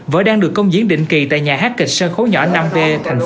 vỡ đang được công diễn định kỳ tại nhà hát kịch sân khấu nhỏ năm b tp hcm